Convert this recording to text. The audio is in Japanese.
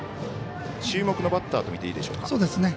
注目のバッターと見ていいでしょうか。